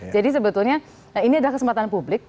jadi sebetulnya ini adalah kesempatan publik